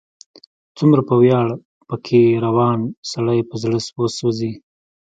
څومره په ویاړ، په کې روان، سړی په زړه وسوځي